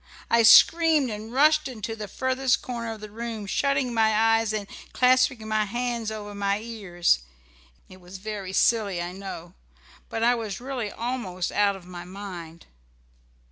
I screamed and rushed into the furthest corner of the room, shutting my eyes and clasping my hands over my ears. It was very silly I know, but I was really almost out of my mind.